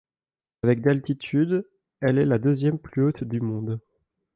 Avec d'altitude, elle est la deuxième plus haute du monde.